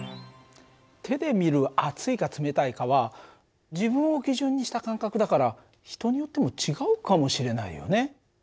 手で見る熱いか冷たいかは自分を基準にした感覚だから人によっても違うかもしれないよね。